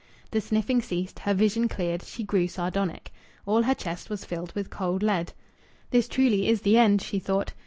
The sniffing ceased, her vision cleared; she grew sardonic. All her chest was filled with cold lead. "This truly is the end," she thought.